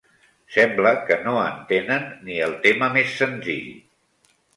Sembla que no entenen ni el tema més senzill.